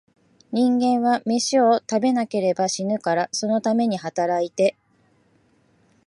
人間は、めしを食べなければ死ぬから、そのために働いて、